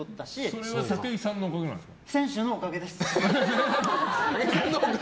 それは武井さんのおかげなんですか？